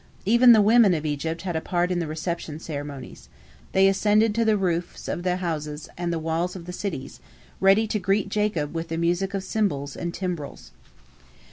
Even the women of Egypt had a part in the reception ceremonies. They ascended to the roofs of the houses and the walls of the cities, ready to greet Jacob with the music of cymbals and timbrels.